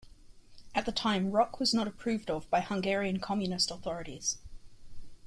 At the time, rock was not approved of by the Hungarian Communist authorities.